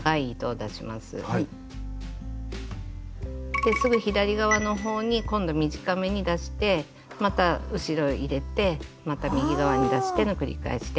ですぐ左側の方に今度短めに出してまた後ろ入れてまた右側に出しての繰り返しで。